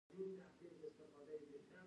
سلیمان غر د کلتوري میراث یوه برخه ده.